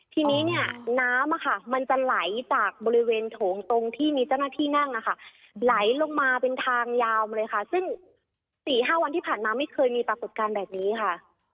ทีนี้เนี่ยน้ำมันจะไหลจากบริเวณโถงตรงที่มีเจ้าหน้าที่นั่งไหลลงมาเป็นทางยาวเลยค่ะซึ่ง๔๕วันที่ผ่านมาไม่เคยมีปรากฏการณ์แบบนี้ค่ะ